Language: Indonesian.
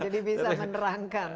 jadi bisa menerangkan